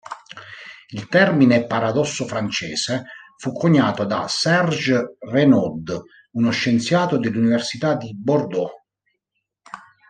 Il termine "paradosso francese" fu coniato da Serge Renaud, uno scienziato dell'Università di Bordeaux.